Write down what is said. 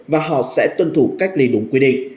và họ sẽ tuân thủ cách ly đúng quy định